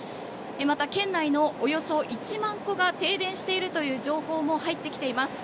また、県内のおよそ１万戸が停電しているという情報も入ってきています。